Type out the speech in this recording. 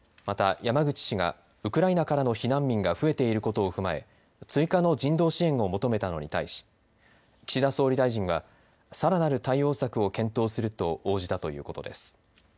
また山口氏がウクライナからの避難民が増えていることを踏まえ追加の人道支援を求めたのに対し岸田総理大臣はさらなる対応策を検討すると応じたということです。